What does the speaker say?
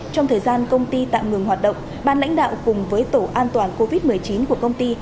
trong thời gian công ty tạm ngừng hoạt động ban lãnh đạo cùng với tổ an toàn covid một mươi chín của công ty